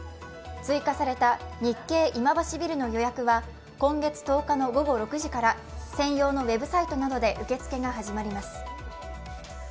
追加された日経今橋ビルの予約は今月１０日の午後６時から専用のウェブサイトなどで受け付けが始まります。